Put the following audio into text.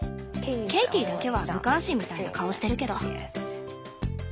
ケイティだけは無関心みたいな顔してるけど。